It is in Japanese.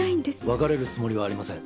別れるつもりはありません。